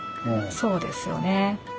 そうですよね。